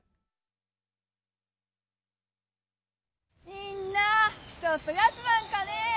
みんなちょっと休まんかね？